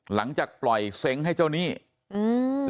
หลังจากปล่อยเซ้งให้เจ้าหนี้อืม